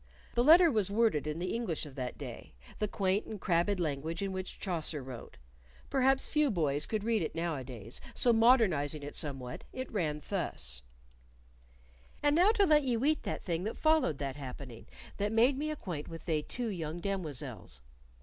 The letter was worded in the English of that day the quaint and crabbed language in which Chaucer wrote. Perhaps few boys could read it nowadays, so, modernizing it somewhat, it ran thus: "And now to let ye weet that thing that followed that happening that made me acquaint with they two young Damoiselles.